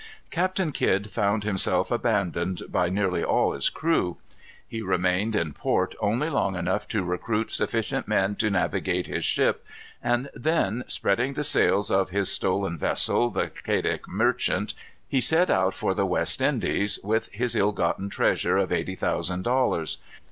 Captain Kidd found himself abandoned by nearly all his crew. He remained in port only long enough to recruit sufficient men to navigate his ship, and then, spreading the sails of his stolen vessel, the Quedagh Merchant, he set out for the West Indies, with his ill gotten treasure of eighty thousand dollars.